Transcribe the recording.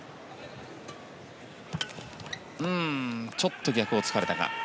ちょっと逆を突かれたか。